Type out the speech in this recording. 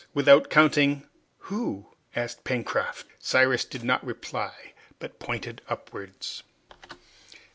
without counting " "Who?" asked Pencroft. Cyrus did not reply, but pointed upwards.